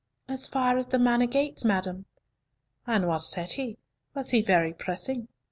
"As far as the Manor gates, madam." "And what said he? Was he very pressing?"